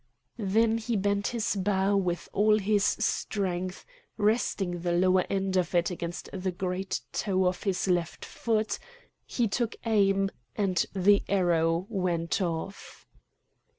Then he bent his bow with all his strength, resting the lower end of it against the great toe of his left foot; he took aim, and the arrow went off.